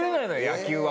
野球は。